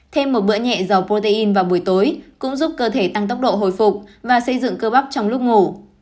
thêm một bữa nhẹ dầu protein vào buổi tối cũng giúp cơ thể tăng tốc độ hồi phục và xây dựng cơ bắp trong lúc ngủ